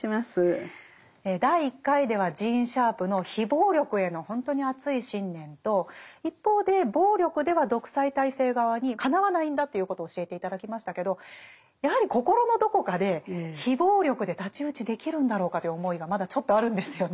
第１回ではジーン・シャープの非暴力へのほんとに熱い信念と一方で暴力では独裁体制側にかなわないんだということを教えて頂きましたけどやはり心のどこかで非暴力で太刀打ちできるんだろうかという思いがまだちょっとあるんですよね。